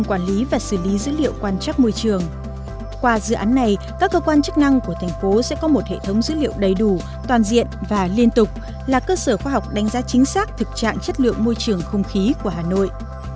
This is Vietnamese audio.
qua dự án này các cơ quan chức năng của thành phố sẽ có một hệ thống dữ liệu đầy đủ toàn diện và liên tục là cơ sở khoa học đánh giá chính xác thực trạng chất lượng môi trường không khí của hà nội